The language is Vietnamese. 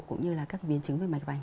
cũng như là các biến chứng về mạch bành